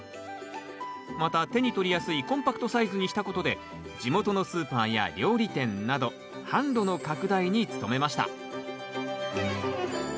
また手に取りやすいコンパクトサイズにしたことで地元のスーパーや料理店など販路の拡大に努めました